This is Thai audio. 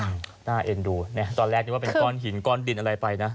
หน้าเอ็นดูเนี่ยตอนแรกนึกว่าเป็นก้อนหินก้อนดินอะไรไปนะ